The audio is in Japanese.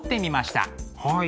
はい。